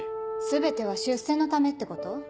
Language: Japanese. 全ては出世のためってこと？